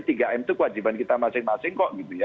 tiga m itu kewajiban kita masing masing kok